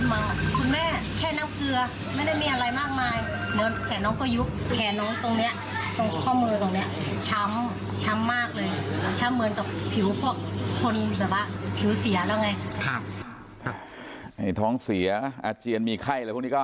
ไม่ท้องเสียอ่าเจียนมีไข้เลยพวกงี้ก็หาย